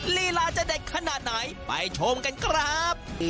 ลีลาจะเด็ดขนาดไหนไปชมกันครับ